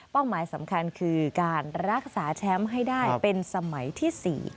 หมายสำคัญคือการรักษาแชมป์ให้ได้เป็นสมัยที่๔